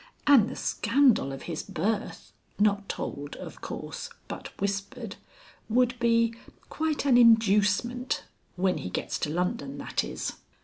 And the scandal of his birth not told, of course, but whispered would be quite an Inducement when he gets to London, that is."